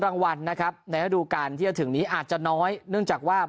รางวัลนะครับในระดูการที่จะถึงนี้อาจจะน้อยเนื่องจากว่า